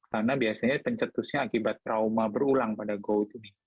karena biasanya pencetusnya akibat trauma berulang pada go itu